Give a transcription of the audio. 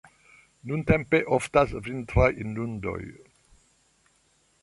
Nuntempe oftas vintraj inundoj.